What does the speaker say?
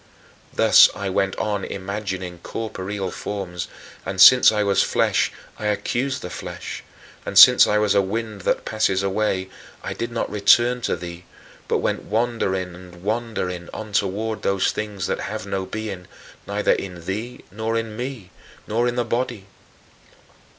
Thus I went on imagining corporeal forms, and, since I was flesh I accused the flesh, and, since I was "a wind that passes away," I did not return to thee but went wandering and wandering on toward those things that have no being neither in thee nor in me, nor in the body.